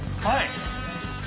はい！